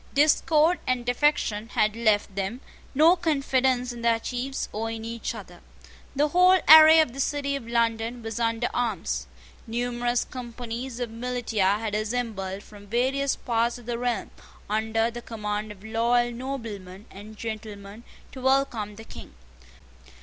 Discord and defection had left them no confidence in their chiefs or in each other. The whole array of the City of London was under arms. Numerous companies of militia had assembled from various parts of the realm, under the command of loyal noblemen and gentlemen, to welcome the King.